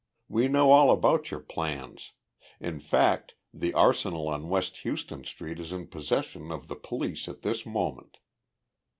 We know all about your plans in fact, the arsenal on West Houston Street is in possession of the police at this moment.